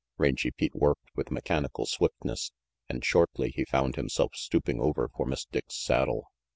Rangy Pete worked with mechanical swiftness, and shortly he found himself stooping over for Miss Dick's saddle.